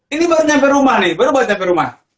ini baru nyampe rumah nih baru baru nyampe rumah